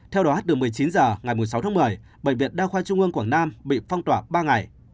theo đó từ một mươi chín h ngày sáu tháng một mươi bệnh viện đa khoa trung ương quảng nam bị phong tỏa ba ngày